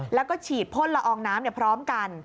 แล้วก็ฉีดพ่นละอองน้ำพร้อมกัน